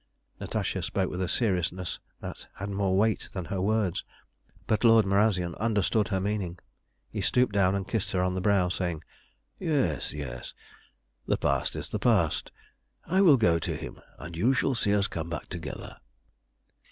Natasha spoke with a seriousness that had more weight than her words, but Lord Marazion understood her meaning. He stooped down and kissed her on the brow, saying "Yes, yes; the past is the past. I will go to him, and you shall see us come back together."